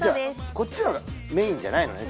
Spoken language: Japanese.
こっちのがメインじゃないのね？